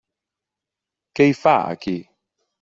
Què hi fa, aquí?